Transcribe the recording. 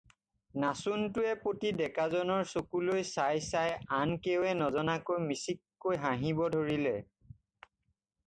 নাচোনটোৱে পতি ডেকাজনৰ চকুলৈ চাই চাই আন কেৱে নজনাকৈ মিচিককৈ হাঁহিব ধৰিলে।